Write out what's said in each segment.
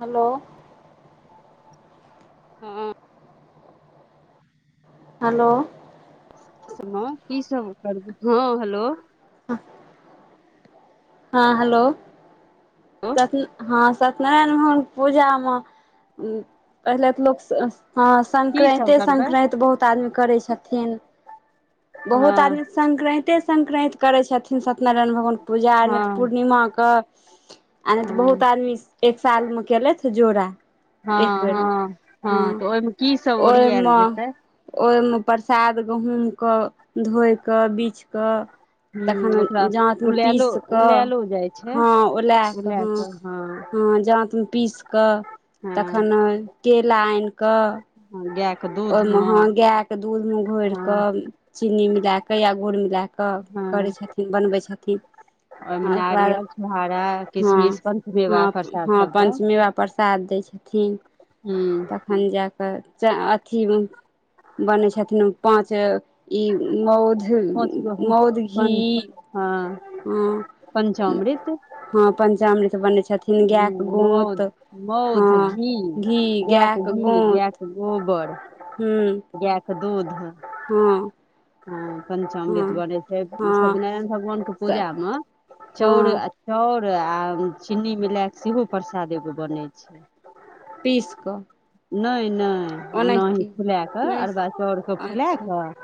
Hello हँ hello हँ की सब करबै हँ हेलो हँ हेलो हँ सब [unintelligible] पूजामे पहिले तऽ लोक हँ की सब संक्रान्ते करबै संक्रान्ति बहुत आदमी करै छथिन बहुत हँ आदमी संक्रान्ते संक्रान्ति करै छथिन सत्यनारायण भगवान के पूजा हँ पूर्णिमा क आ नहि तऽ बहुत हँ आदमी एक साल मे केलक जोड़ा हँ एक बेरमे हँ हँ तऽ ओहिमे की सब ओरियाएल ओहिमे जेतै ओहिमे प्रसाद गहुम के धोए कऽ बीछ कऽ तखन ह ओकरा जाँतमे उलायलो पीस कऽ उलायलो जाइ छै हँ ओ लए कऽ हँ हँ ह जाँतमे पीस कऽ तखन हँ केला आनिकऽ हँ गै ओहि मे हं गैय के दूध मे घोर हँ के चीन्नी मिला के या गुड़ मिला के कऽ करै हँ छथिन बनबै छथिन ओ ओहिमे ओकर बाद नारियल छोहारा हँ किशमिश पंचमेवा हँ प्रसाद हँ सबटा पञ्चमेवा परसाद दै छथिन हू हन जा कऽ च अथि बनै छथिन पाँच ई मौध पाँच गो हँ मौध घी पं हँ हं पंचामृत हँ पञ्चामृत बनै छथिन गाए के हूँ गोँत मौध मौध हँ घी घी गाए गायके के घी गोँत गोबर हूँ गाएय के दूध हँ हँ पञ्चामृत हँ बनै छै हँ सत्यनारायण भगवान के पूजा मे चाउर हँ चाउर आ चीन्नी मिला कऽ सेहो प्रसाद एगो बनै छै पीस कऽ नहि नहि ओनाही ओनाहिते फुला कऽ नहि अरबा चाउर के फुला अच्छा कऽ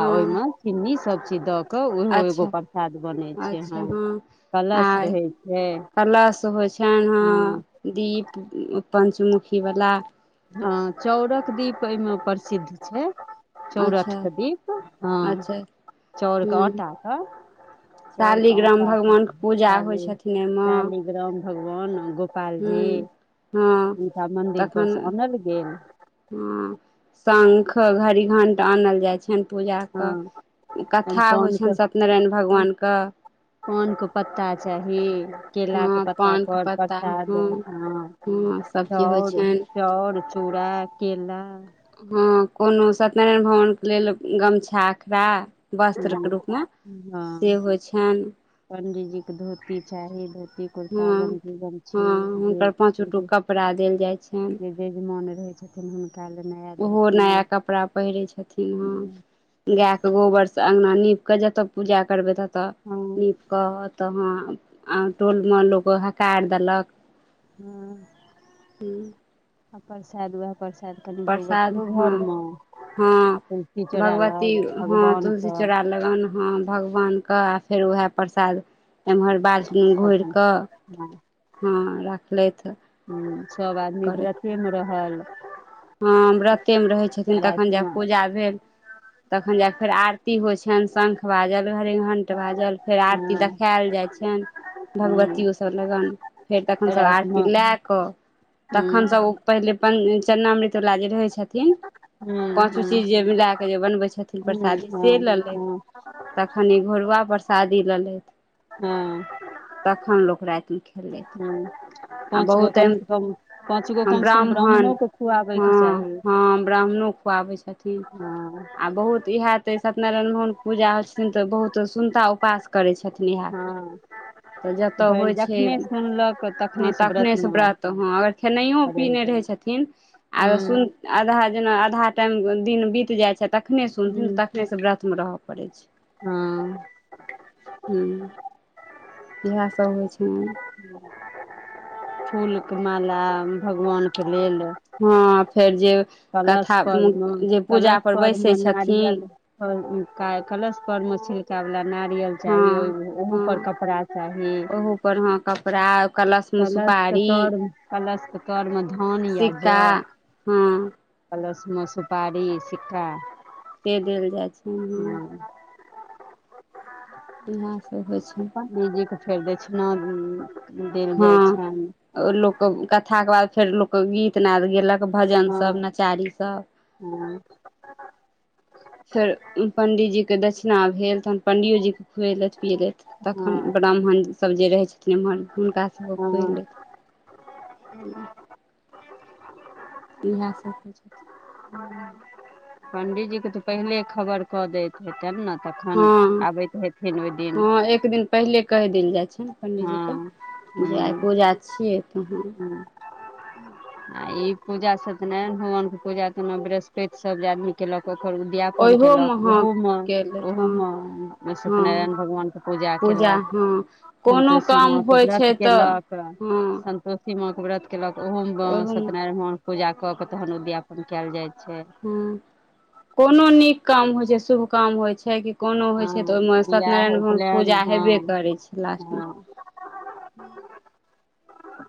आ ओहि मे हँ चिन्नी सब चीज दऽ क कऽ ओहो अच्छा एगो प्रसाद बनै छै अच्छा हँ आ कलश रहै छै कलश होइ छैन हँ दीप पञ्चमुखीवला हँ चाउरक दीप एहिमे प्रसिद्ध छै चौरठ अच्छा के दीप हँ अच्छा चौर के हूँ आटा के चाउर के शालिग्राम आटा भगवान के पूजा होइ चाली छथिन एहिमे शालिग्राम भगवान गोपाल जी हूँ हँ हुनका मंन्दिर पर स अनल गेल ह शंख घरी घंट आनल जाय छनि पूजा क हँ कथा पान होइ के छनि सत्यनारायण भगवान क पान क पत्ता चाही केला के हँ पत्ता पानके पर पत्ता प्रसाद हँ हँ हँ सभचीज होइ चाउर छनि चाउर चूड़ा केला हँ कोनो सत्यनारायण भगवान के लेल गमछा अखरा वस्त्र के हूँ रूपमे से होइ छैन पण्डीजी के धोती चाही धोती कुर्ता गंजी गमछी जे छोटो कपड़ा देल जाय छै। यजिमाने रहै छथिन हु। काल्हि नया। ओहो धोती नया कपड़ा पहिरै छथिन, हँ। गाय के गोबरसँ अंगना नीप कऽ जतऽ पूजा करबै तऽ आ नीप कऽ तऽ ह टोलमे लोक हकारि देलक। ह, आ प्रसाद व‌एह। प्रसाद कनि प्रसाद भगवतियो हँ घर मे। हँ आ तुलसी चोरैयल भगवती हँ भगवान तुलसी क चौड़ा लगन ह भगवान कऽ आ फेर उएह प्रसाद एम्हर बाज। हू, घोर सभ कऽ हँ राखलथि करत। सेम रहल। ह व्रते मे रहे आ छथिन, तखन जाक रातिमे पूजा भेल तखन जाक फेर आरती होइ छै। छनि शंख बाजल घरी घंट बाजल फेर आरती देखायल जाइ छनि। भगवतियो सभ लगन फेर तखन सभ आरती रातिमे लए कऽ तखन सभ ओ। पहिले पन चन्ना मृतवला जे रहै छथिन पाँचो चीज जे मिला कऽ जे बनबै छथिन प्रसादी से लऽ ले। तखनि ई घोरुआ प्रसादी ले ले था। हँ। रातिमे खेलथि हू, आ पाँच गो बहुत कम से एहन कम। पाँच गो कम से कम ब्राह्मण ब्राह्मणो कऽ। हँ, हँ, ब्राह्मणों खुआबै छथिन, हँ आ बहुत इहा तै सत्यनारायण भगवानके पूजा होइ छथिन तऽ बहुत सुनता उपास करै छथिन इहा। हँ तऽ तऽ जतय भरि होइत छै, जखने सुनलक हँ, तखनेसँ तखने व्रतमे सँ व्रत हँ अगर खेनहियो रहै पीने रहैत छथिन। इन। आ हूँ सुन आधा जेना आधा टाइम दिन बीत जाय छै, तखने सुथिन त हूँ तखने। तऽ व्रत मे रह परै छै, हँ हू। इएह सभ होइ छै फूल कऽ माला भगवानके लेलऽ हँ, फेर जे। कथा कलशपरमे जे पूजापर कलशपरमे बैसै नारियल। छथिन कलशपरमे छिलका वला नारियल। चाही, हँ ओहि मे ओहोपर कपड़ा चाही। पर हँ, कप। कपड़े कलशमे कलशके सुपारी तर कलशके तरमे धान सिक्का। हँ। कलस मे सुपारी सिक्का। से देल जाइ छै हँ। इएह सभ होइ छै। पंडित जी के फेर दक्षिणा देल जाइ हँ छन। लोक कऽ कथा के बाद फेर लोक कऽ गीतनाद गेलक भजन हँ सभ नचारी सभ। हँ। फेर पंडितजी के दक्षिणा भेल तहन पण्डियोजी के खुएलथि पियलथि तखन हँ ब्राह्मण सभ जे रहै छथिन एम्हर हुनका सभके खुए हँ लेथि। इएह सभ होइ छै। ह पण्डीजीके तऽ पहिले खबर कऽ दैत हेतन ने तखन हँ आबैत हेथिन ओहि दिन एक दिन पहिले कहि देल जाइ छनि हँ पंडीजीक जे आइ हूँ पूजा छियै त ह [inaudible] आ ई पूजा सत्यनारायन भगवान के पूजा ताहिमे बृहस्पति सब जे आदमी केलक ओकर उद्यापन केलक ओहियोमे हँ ओहो मे केलथि ओहो हँ मे हँ सत्यनारायण भगवान के पूजा कयलक कोनो सन्तोषी काम माँके होइ व्रत छै तऽ कयलक हँ तौसी माँके व्रत कयक ओहोम बाम तऽ ओहूमे सत्यनारायण म पूजा कऽ कऽ तहन उद्यापन कयल जाइ छै ह कोनो नीक काम होइ छै शुभ काम होइ छै कि कोनो हँ होइ छै तऽ ओहिमे बियाह सत्यनारायण भगवानके उपनयन पूजा हँ हेबे करै छै लास्टमे हँ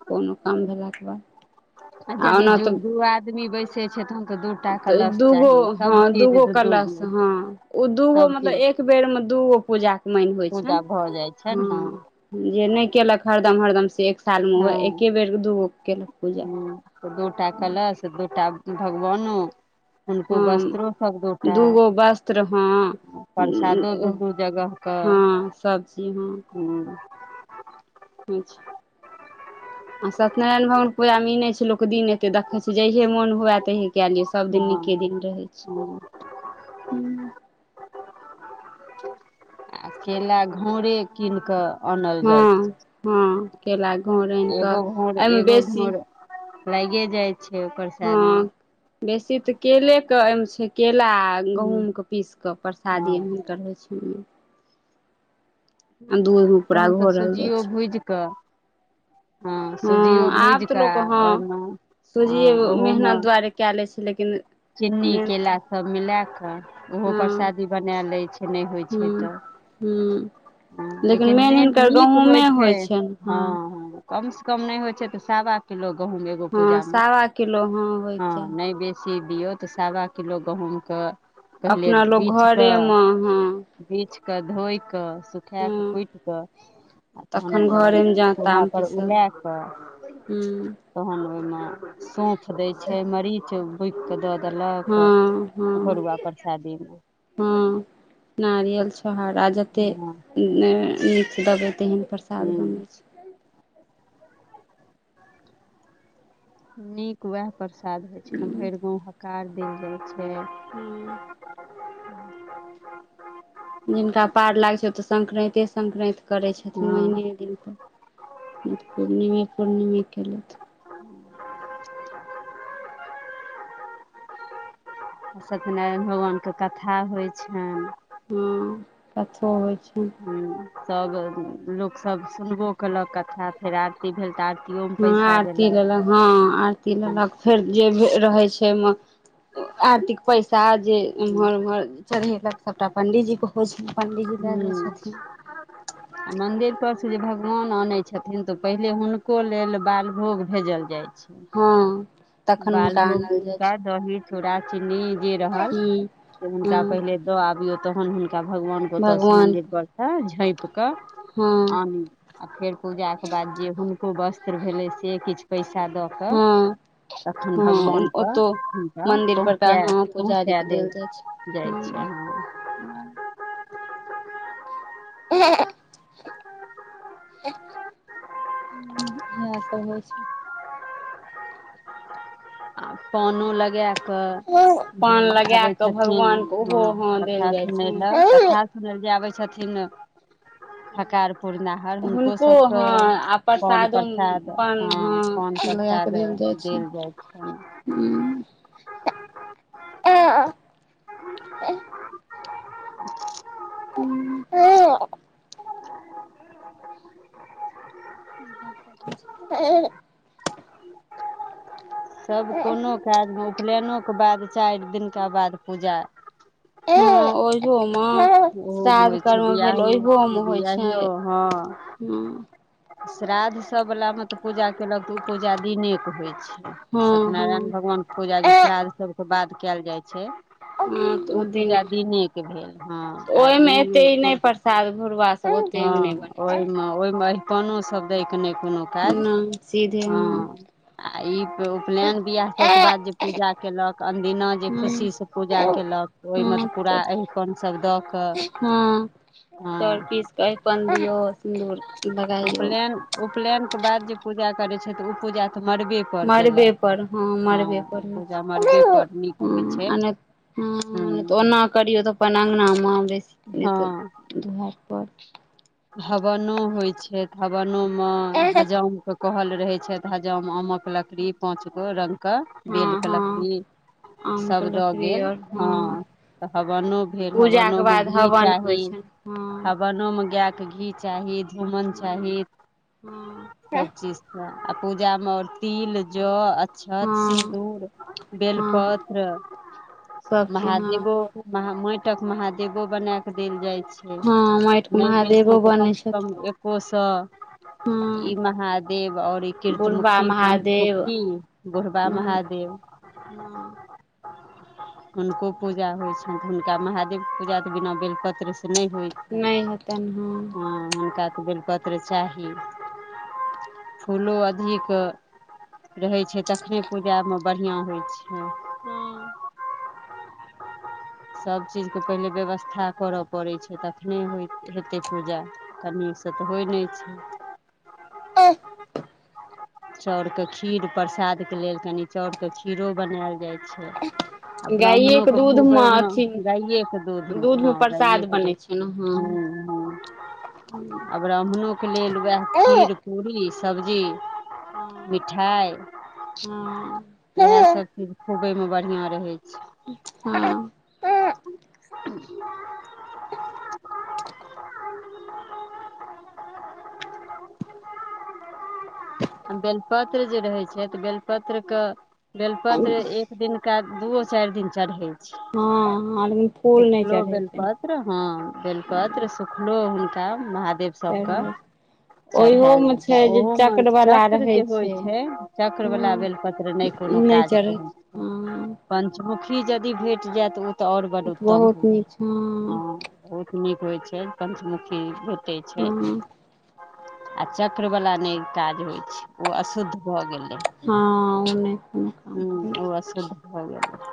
कोनो काम भेलाके बाद अच्छा आ दी ओना दू आदमी बस से छै तऽ हुनक दू टा तऽ कलश दूगो चाीय हँ सभचीज दूगो दू दू कलश गो हँ ओ दूगो सब मतलब चीज एक बेरमे दूगो पूजाके मन होइ पूजा छनि भऽ जाइ छै ने हँ जे नहि केलक हरदम हरदम से एक सालमे हँ वैह एके बेर दूगो कैयलक पूजा त दूटा भगवानो हुनको हँ वस्त्र सभ दुटा दूगो वस्त्र हँ प्रसादो दू ओ दू जगह क हँ सभचीज हँ हं [unintelligible] आ सत्यनारायण भगव पूजा मे ईने छै लोक दिन एते देख छै जहिहे मन हुए तेहिे कए लियौ सब दिन हँ नीके दिन रहै छै हूँ, ह आ केला घौरे कीन कऽ आनल हँ जाइत हँ केला घर आनि कऽ एगो घौर एहिमे एगो बेसी घौर लागे जाइ छै प्रसाद मे हँ बेसी तऽ केले के ए मे छै केला हूँ गहुूँम के पीस कऽ परसादी हँ एही करै छै ओहिमे आ दूध मे पूरा घोरल जाइ छै भुज कऽ हँ सुजियो आब भूजि तऽ लोक कऽ हँ ओहिमे सोझे अ, मेहनत दुआरे कए ले छै लेकिन चिन्नी मेन केला तऽ सब मिला कऽ ओहो हँ परशादी बनाए लै छै नहि होइ छै हूँ तऽ हूँ ह लेकिन मेन नीक होइ छै हँ हॅ कम से कम नहि होइ छै तऽ सावा किलो गहूँम एगो हँ पूजामे सावा किलो होयके हँ चाही नहि बे सी दियौ तऽ सावा किलो गहम कऽ पहिले अपना लोक बीछि घरेमे कऽ हँ बिछ कऽ धोए कऽ सुखा कऽ हँ कुटि कऽ आ तहन तखन ओकरा घरेमे जाँतामे चूल्हापर पीसल उलाए कऽ हूँ तहन ओहिमे सौँफ दै छै मरीच के दऽ देलक हँ हँ घरुआ परसादीमे हँ नारियल छोहहाडा जते हँ नहि नीक देबै तेहन प्रसाद बनै हूँ छै नीक उएह प्रसाद होइत छै छनि भैरि गाँव हकार देल जाइत छै हँ जिनका पार लागै छैौ तऽ संक्रान्ते सं्क्रान्ति करै छथिन महिने हँ दिनपर नहि तऽ पूर्णिमे पूर्णिमे केलथि ह [unintelligible] सत्यनारायण भगवान के कथा होइ छनि हँ कथो होइ छनि हूं सब लोक सब सुनबो केलक कथा फेर आरती भेल तऽ आरती हँ आरती लेलक हँ आरती हूँ लेलक फेर जे रहै छै ओहिमे आर्तिक पैसा जे हूँ ईम्हर उम्हर चढ़ेलक सभटा पंडीजीे के होय छै पंडीजी लए लै छथिन आ मन्दिरपसँ जे भगवान आनैत छथिन तऽ पहिले हुनको लेल बालभोग भेजल जाइ छै हँ तखन हुनका बालभोग आनल जाइ मुुरका छै दहि चुरा चीनी जे रहल हूँ से हुनका हँ पहिले द आबियौ तहन हुनका भगवान ओत सऽ भगवान मंन्दिर पर से झाँपि कऽ हँ आनि आ फेर पूजाके बाद जे हुनको वस्त्र भेलै से किछ पैसा दऽ कऽ हँ तखन हँ भगवानक ओतौ हुनका मंदिर परका पहुँचा हँ पुजारी पहुँचा के देल जा लै छनि हू [inaudible] इएह सब होइ छै आ पोनो लगै कऽ जे पान लगाए आबै कऽ छथिन भगवानके ओहो हं हँ कथा देल जाइ सुनै ल छै कथा जे आबै छथिन हकार पुरनाहर हुनको सबके हँ आ पाॅन प्रसादो प्रसाद पान हँ पाॅन लगा कऽ प्रसाद देल जाइ छै देल जायत हँ [unintelligible] [unintelligible] ह ह [unintelligible] [unintelligible] [unintelligible] सब कोनो काजमे उपनयनोे के बाद चारि दिनका बाद पूजा ओ जमा [unintelligible] ओहो होइ छै बिआहियो होइ बिआहियो छै हँ श्राद्धसभवलामे तऽ पूजा कयलक तऽ ओ पूजा दिनेके होइ छै हँ हँ सत्यनारायण भगवान के पूजा जे हँ श्राद्ध सभके बाद कयल जाइ छै तऽ ओ पूजा दिने दिनेके भेल हँ आ ई साल भुरआ हँ ओहिमे ओहिमे अरिपनोसभ दै के नहि कोनो काज नहि सीधे हँ आ ई उपनयन बियाह सभके बाद जे हँ पूजा कयलक अनदिना जे खुशीसँ पूजा हँ कयलक ओहिमे तऽ पूरा अरिपन सभ दऽ कऽ हँ चाउर हँ पीस कऽ अरिपन दियौ सिन्दूर लगाइयौ उपलेन उपलेन के बाद जे पूजा करै छै तऽ ओ पूजा तऽ मरबे मरबे पर हँ मरबे पर होई पूजा छै मड़बे पर नीक होइ छै हँ हं नहि तऽ हूँ ओना करियौ तऽ अपन अंगना मे बेसी नहि हँ तऽ दुहरि पर हवनो होइ छै हवनोमे हजाम क कहल रहै छै हजाम आमक लकड़ी पाँच गो रंग क बेल हँ के हँ लकड़ी आमके सभ दऽ लकड़ी गेल आओर हँ तऽ हवनो भेल हवनो पूजाके मे बाद घी हवन होइ चाही छनि हँ हवनो मे गाय के घी चाही घुमन हँ चाही हँ सबचीज आ पूजामे आओर तिल जँ अक्षत हँ सिन्दूर हँ बेलपत्र सभचीज हँ महादेवो महा मइटक महादेवो बना के देल जाय छै हँ मइट के महादेव छी तऽ कम सँ कम एको सए ई हँ महादेव और ई बुढ़बा कीर्तमुखी महादेव पञ्चमुखी बुरहबा हूँ महादेव हँ हुनको पूजा होइ छनि त हुनका महादेव पूजा त बिना बेलपत्र सँ नहि होइ छनि नहि हैतन हँ हँ हुनका त बेलपत्र चाही फूलो अधिक रहै छै तखने पूजा मे बढ़िया होइ छै हँ [inaudible] सभचीज के पहिले व्यवस्था करय पड़ैत छै तखने होइ हे के पूजा कनि सँ त होइ नै छै [inaudible] चाउर के खीर प्रसाद के लेल कनी चाउर के खीरो बनायल जाय छै आ गाइए ब्राह्मणो के दूध खूब मे एहिमे अथी गाये के दूध मे हँ गाये के दूध एना हँ हूँ आ ब्राह्मणोके लेल वएह खीर पूड़री सब्जी हँ मिठाइ इएहसभ चीज खुबै मे बढ़िआँ रहै छै हँ [unintelligible] बेलपत्र जे रहै छै त बेलपत्र क बेलपत्र ए एक दिनका दूओ चारि दिन चढ़ै छै हँ लेकिन फूल नहि उफलो चढ़ै छै बेलपत्र हँ बेलपत्र सुखलो हुनका महादेव सभ क चढ़ै छै चढ़ायल ओहियोमे जाए छै जे ओहो मे चक्रवला चक्र रहै जे होइ छै चक्रवला हँ बेलपत्र नइ कोनो नहि काज चढ़ै करै छै हँ पंचमुखी जदि भेट जाए त आओर बड़ उत्तम बहुत हो नीक हँ ह बहुत नीक होइ छै पंचमुखी भैटे छै हँ आ चक्रवला नइ काज होइ छै ओ अशुद्ध भ गेलै हँ ओ नइ कोनो काम करै भ गेल